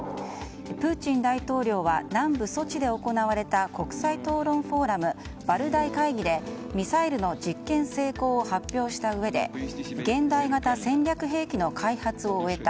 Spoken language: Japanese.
プーチン大統領は南部ソチで行われた国際討論フォーラムバルダイ会議でミサイルの実験成功を発表したうえで現代型戦略兵器の開発を終えた。